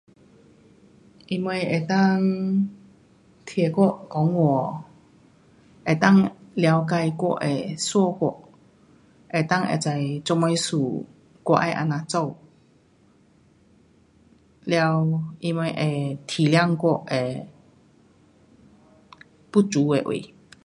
他们能够听我讲话，能够了解我的说法，能够会知做什事，我要这么做，了他们能够体谅我的不足的位。